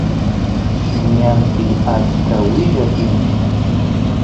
ñanpi achka willa tiyan